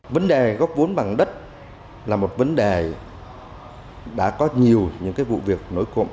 vấn đề gốc vốn bằng đất là một vấn đề đã có nhiều những vụ việc nổi cộng